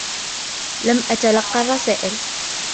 لم أتلقّى الرّسائل.